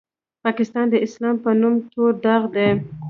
پاکستان د اسلام په نوم تور داغ دی.